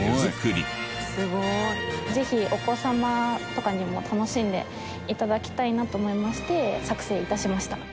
ぜひお子様とかにも楽しんで頂きたいなと思いまして作成致しました。